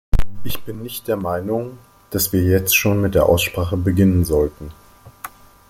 Ich bin nicht der Meinung, dass wir jetzt schon mit der Aussprache beginnen sollten.